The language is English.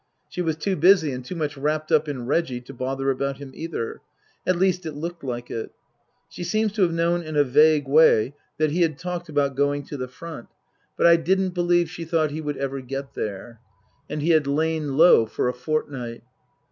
She was too busy and too much wrapped up in Reggie to bother about him either ; at least, it looked like it. She seems to have known in a vague way that he had talked Book III : His Book 265 about going to the front, but I didn't believe she thought lie would ever get there. And he had lain low for a fortnight.